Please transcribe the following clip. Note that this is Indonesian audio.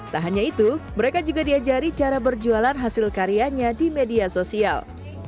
tak hanya itu mereka juga diajari cara berjualan hasil karyanya di media sosial